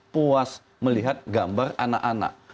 puas melihat gambar anak anak